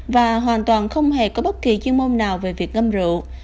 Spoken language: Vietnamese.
và hoàn toàn không hề có bất kỳ chuyên môn nào về việc ngâm rượu